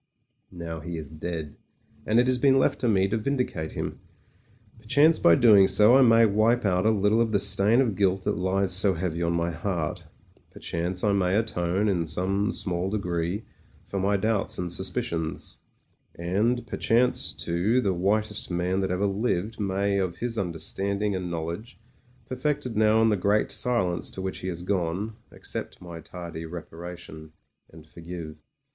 Now he is dead: and it has been left to me to vindicate him. Per chance by so doing I may wipe out a little of the stain of guilt that lies so heavy on my heart; per chance I may atone, in some small degree, for my doubts and suspicions ; and, perchance too, the whitest man that ever lived may of his understanding and knowledge, perfected now in the Great Silence to which he has gone, accept my tardy reparation, and forgive.